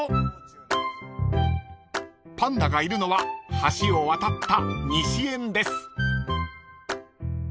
［パンダがいるのは橋を渡った西園です］